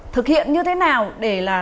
thực hiện như thế nào để là